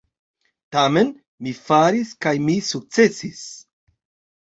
Tamen mi faris, kaj mi sukcesis.